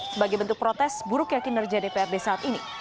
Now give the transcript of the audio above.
sebagai bentuk protes buruk yakin nerja dprd saat ini